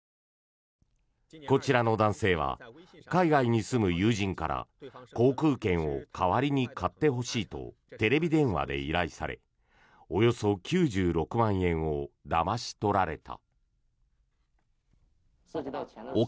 こちらの男性は海外に住む友人から航空券を代わりに買ってほしいとテレビ電話で依頼されおよそ９６万円をだまし取られた。